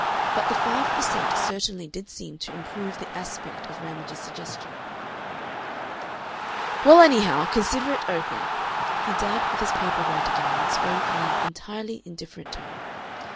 But the five per cent. certainly did seem to improve the aspect of Ramage's suggestion. "Well, anyhow, consider it open." He dabbed with his paper weight again, and spoke in an entirely indifferent tone.